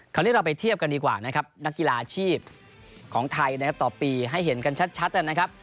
คราวนี้เราไปเทียบกันดีกว่านะครับนักกีฬาอาชีพของไทยนะครับต่อปีให้เห็นกันชัดนะครับ